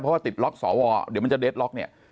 เพราะว่าติดล็อกสวเดี๋ยวมันจะเดทล็อกเนี่ย